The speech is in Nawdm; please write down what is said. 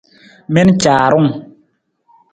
Mi na caarung!